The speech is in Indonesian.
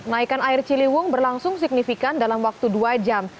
naikan air ciliwung berlangsung signifikan dalam waktu dua jam